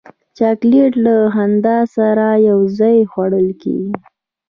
چاکلېټ له خندا سره یو ځای خوړل کېږي.